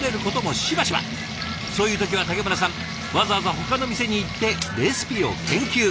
そういう時は竹村さんわざわざほかの店に行ってレシピを研究。